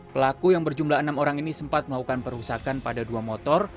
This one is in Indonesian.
pelaku yang berjumlah enam orang ini sempat melakukan perusakan pada dua motor